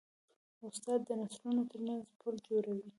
استاد د نسلونو ترمنځ پل جوړوي.